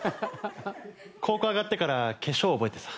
高校上がってから化粧覚えてさ。